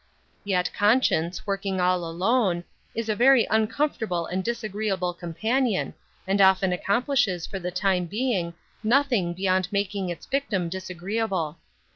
Yet conscience, working all alone, is a very uncomfortable and disagreeable companion, and often accomplishes for the time being nothing beyond making his victim disagreeable.